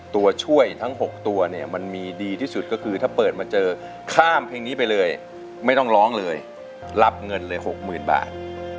ตัวช่วยทั้ง๖ตัวเนี่ยมันมีดีที่สุดก็คือถ้าเปิดมาเจอข้ามเพลงนี้ไปเลยไม่ต้องร้องเลยรับเงินเลย๖๐๐๐บาท